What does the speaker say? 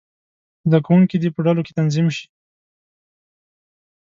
زده کوونکي دې په ډلو کې تنظیم شي.